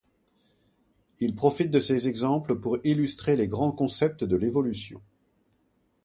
Il profite de ces exemples pour illustrer les grands concepts de l'évolution.